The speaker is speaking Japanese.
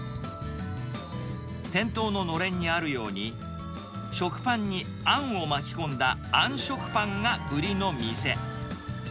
店頭ののれんにあるように、食パンにあんを巻き込んだ、あん食パンが売りの店。